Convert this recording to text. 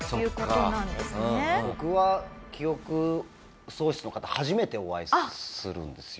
僕は記憶喪失の方初めてお会いするんですよ。